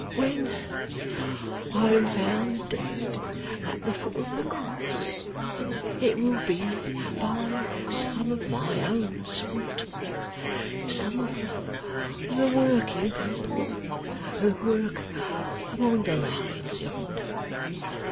'When I am found dead at the foot of the Cross, it will be by some of my own sort; some of the working people who work among the lights yonder.